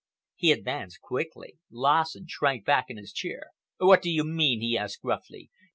He advanced quickly. Lassen shrank back in his chair. "What do you mean?" he asked gruffly.